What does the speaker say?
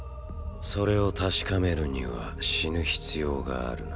それを確かめるには死ぬ必要があるな。